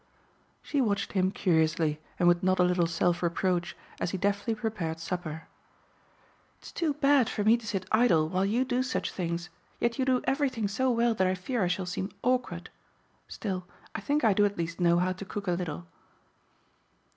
She watched him curiously and with not a little self reproach as he deftly prepared supper. "It's too bad for me to sit idle while you do such things, yet you do everything so well that I fear I shall seem awkward. Still, I think I do at least know how to cook a little."